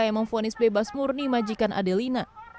yang memfonis bebas murni majikan adelina